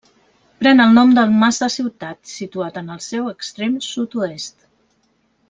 Pren el nom del Mas de Ciutat, situat en el seu extrem sud-oest.